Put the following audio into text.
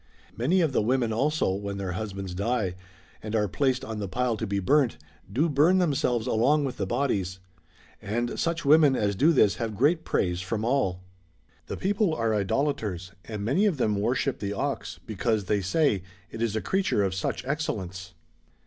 ^ Many of the women also, when their husbands die and are placed on the pile to be burnt, do burn themselves along with the bodies. And such women as do this have great praise from all.^ The people are Idolaters, and many of them worship the ox, because (say they), it is a creature of such excel lence.